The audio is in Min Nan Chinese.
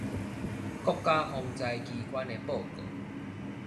國家防災機關的報告